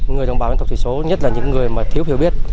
người đồng bào dân tộc thủy số nhất là những người mà thiếu hiểu biết